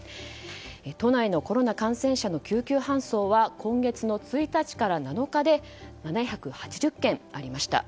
都内のコロナ感染者の救急搬送は今月の１日から７日で７８０件ありました。